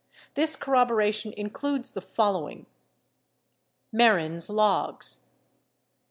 This corrobo ration includes the following: Mehren' s Logs.